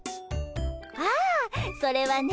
ああそれはね